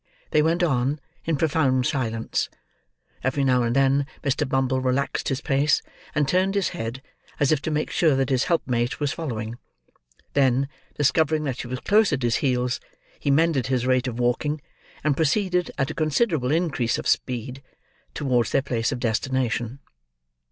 They went on, in profound silence; every now and then, Mr. Bumble relaxed his pace, and turned his head as if to make sure that his helpmate was following; then, discovering that she was close at his heels, he mended his rate of walking, and proceeded, at a considerable increase of speed, towards their place of destination.